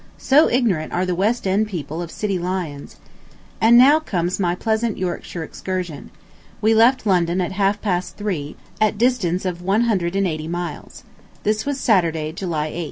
So ignorant are the West End people of city lions. ... And now comes my pleasant Yorkshire excursion. We left London, at half past three, at distance of 180 miles. This was Saturday, July 8.